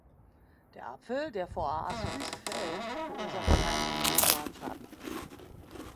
Der Apfel, der vor A's Füße fällt, verursacht keinen unmittelbaren Schaden.